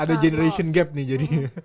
ada generation gap nih jadi